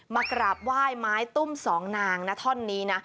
มากราบไหว้ไม้ตุ้มสองนางนะท่อนนี้นะ